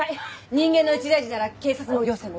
人間の一大事なら警察も行政も動く。